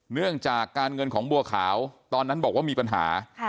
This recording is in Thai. เนื่องจากการเงินของบัวขาวตอนนั้นบอกว่ามีปัญหา